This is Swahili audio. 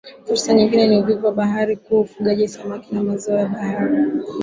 Fursa nyingine ni uvuvi wa bahari kuu ufugaji samaki na mazao ya bahari